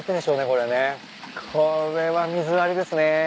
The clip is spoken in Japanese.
これは水割りですね。